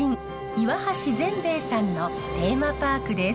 岩橋善兵衛さんのテーマパークです。